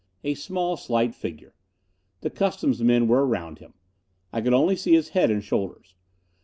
A small, slight figure. The customs men were around him: I could only see his head and shoulders.